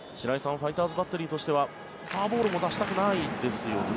ファイターズバッテリーとしてはフォアボールも出したくないですよね。